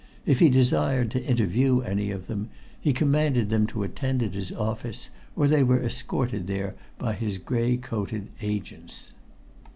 If he desired to interview any of them, he commanded them to attend at his office, or they were escorted there by his gray coated agents.